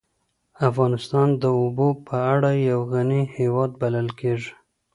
افغانستان د اوبو له اړخه یو غنی هېواد بلل کېږی.